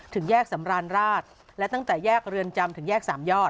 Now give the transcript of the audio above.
ถึงแยกสำราญราชและตั้งแต่แยกเรือนจำถึงแยกสามยอด